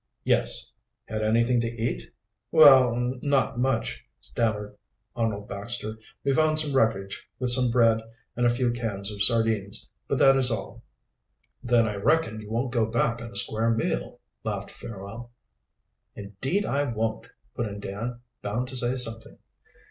"Yes." "Had anything to eat?" "Well er not much," stammered Arnold Baxter. "We found some wreckage with some bread and a few cans of sardines, but that is all." "Then I reckon you won't go back on a square meal?" laughed Fairwell. "Indeed I won't!" put in Dan, bound to say something.